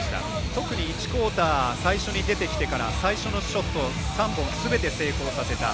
特に１クオーター最初に出てきてから最初のショット３本すべて成功させた。